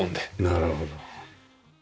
なるほど。